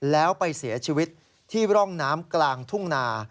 แล้วไปเสียชีวิตที่ร่องน้ำกลางทุ่งนา